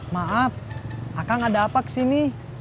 maaf akang ada apa kesini